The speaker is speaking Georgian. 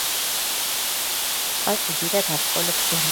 პაკი დიდად აბრკოლებს გემების მიმოსვლას.